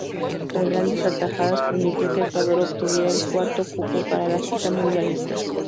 Con grandes atajadas, permitió que Ecuador obtuviera el cuarto cupo para la cita mundialista.